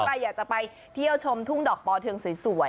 ใครอยากจะไปเที่ยวชมทุ่งดอกปอเทืองสวย